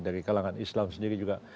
dari kalangan islam sendiri juga